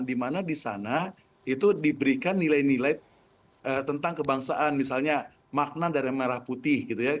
dimana di sana itu diberikan nilai nilai tentang kebangsaan misalnya makna dari merah putih gitu ya